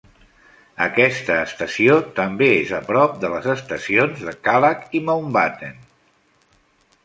Aquesta estació també és a prop de les estacions de Kallang i Mountbatten.